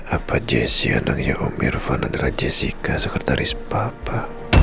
apa jesse anaknya om irfan adalah jessica sekretaris papa